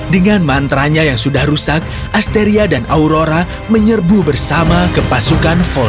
dengan mantra nya yang sudah rusak asteria dan aurora menyerbu bersama ke pasangan